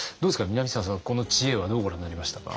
南沢さんはこの知恵はどうご覧になりましたか？